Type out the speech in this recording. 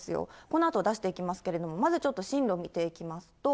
このあとを出していきますけれども、まずちょっと進路見ていきますと。